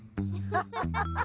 ・ハハハハハ。